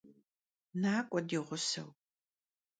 Nak'ue di ğuseu!